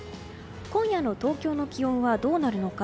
今夜の東京の気温はどうなるのか。